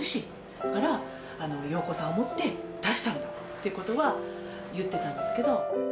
だから容子さんを思って出したんだって事は言ってたんですけど。